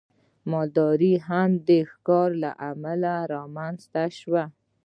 مالداري هم د ښکار له امله رامنځته شوه.